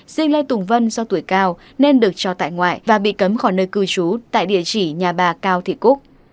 dinh lê tùng vân do tuổi cao nên được cho tại ngoại và bị cấm khỏi nơi cư trú tại địa chỉ nhà bà cao thị cúc